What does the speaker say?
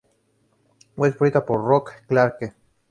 Fue escrita por Roy Clarke.